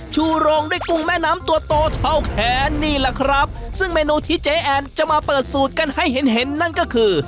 ชูโรงด้วยกุ้งแม่น้ำตัวโตเท่าแขนนี่แหละครับซึ่งเมนูที่เจ๊แอนจะมาเปิดสูตรกันให้เห็นเห็นนั่นก็คือ